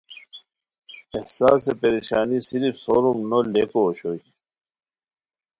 احساسِ پریشانی صرف سوروم نو لیکو اوشوئے